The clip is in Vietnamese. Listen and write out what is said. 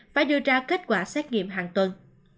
phải đưa ra kết quả xét nghiệm hàng tuần